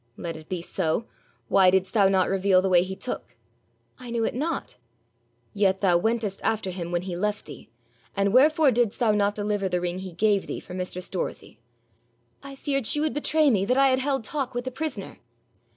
'Let it be so. Why didst thou not reveal the way he took?' 'I knew it not.' 'Yet thou wentest after him when he left thee. And wherefore didst thou not deliver the ring he gave thee for mistress Dorothy?' 'I feared she would betray me, that I had held talk with the prisoner.'